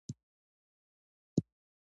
د روغتیا لپاره طبیعي خواړه غوره دي